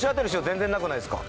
全然なくないですか？